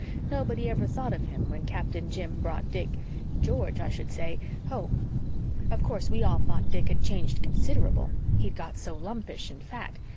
Nobody ever thought of him when Captain Jim brought Dick George, I should say home. Of course, we all thought Dick had changed considerable he'd got so lumpish and fat.